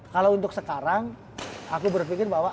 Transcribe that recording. kalau untuk sekarang aku berpikir bahwa